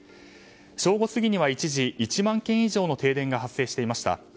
正午過ぎには一時１万軒以上の停電が発生していました。